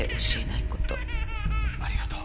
ありがとう。